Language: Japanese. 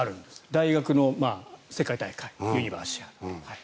大学の世界大会ユニバーシアード。